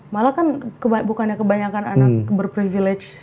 malah kan bukannya kebanyakan anak berprivilege